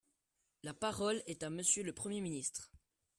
La parole est à Monsieur le Premier ministre.